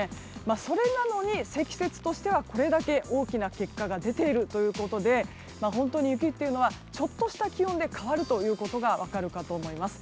それなのに積雪としてはこれだけ大きな結果が出ているということで本当に雪っていうのはちょっとした気温で変わるということが分かるかと思います。